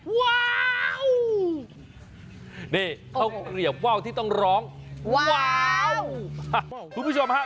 ว้าวนี่ข้าวเกลียบว่าวที่ต้องร้องว้าวคุณผู้ชมฮะ